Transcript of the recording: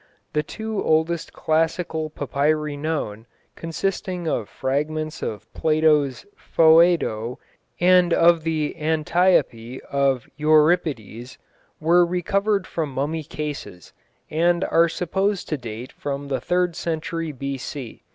The two oldest classical papyri known, consisting of fragments of Plato's Phoedo and of the Antiope of Euripides, were recovered from mummy cases, and are supposed to date from the third century B.C.